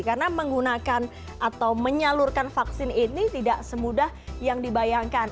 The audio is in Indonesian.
karena menggunakan atau menyalurkan vaksin ini tidak semudah yang dibayangkan